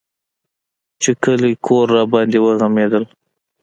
چې کلى کور راباندې وغمېدل.